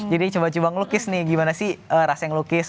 jadi coba coba ngelukis nih gimana sih rasa ngelukis